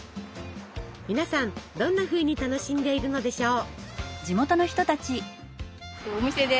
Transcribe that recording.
皆さんどんなふうに楽しんでいるのでしょう？